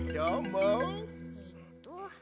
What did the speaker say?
えっと。